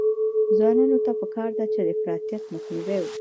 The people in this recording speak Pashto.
ځوانانو ته پکار ده چې، افراطیت مخنیوی وکړي.